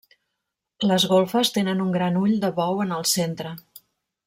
Les golfes tenen un gran ull de bou en el centre.